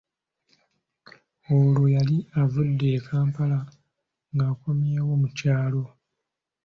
Olwo yali avudde e Kampala ng'akomyewo mu kyalo.